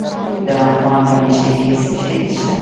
د لغمان په علیشنګ کې څه شی شته؟